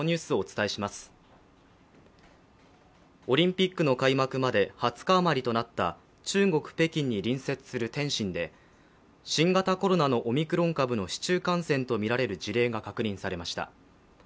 オリンピックの開幕まで２０日あまりとなった中国・北京に隣接する天津で新型コロナのオミクロン株の市中感染とみられる事例が確認されました。